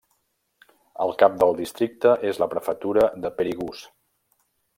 El cap del districte és la prefectura de Perigús.